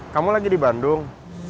kamu lagi di bandung